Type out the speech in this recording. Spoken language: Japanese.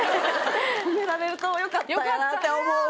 褒められるとよかったんやなって思う。